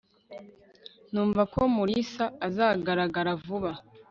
numva ko mulisa azagaragara vuba